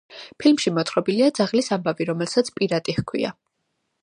ფილმში მოთხრობილია ძაღლის ამბავი, რომელსაც პირატი ჰქვია.